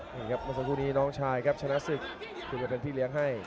นี่ครับมาส่งตัวนี้น้องชายครับชนะสึกคือจะเป็นพี่เลี้ยงให้